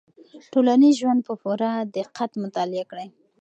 ټولنیز ژوند په پوره دقت مطالعه کړئ.